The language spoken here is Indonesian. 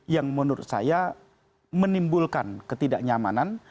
yang menurut saya menimbulkan ketidaknyamanan